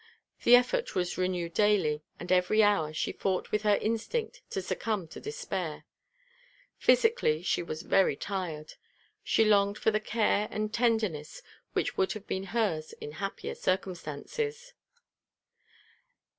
The effort was renewed daily; and every hour she fought with her instinct to succumb to despair. Physically, she was very tired. She longed for the care and tenderness which would have been hers in happier circumstances.